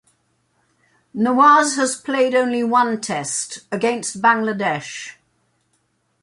Nawaz has played only one Test, against Bangladesh.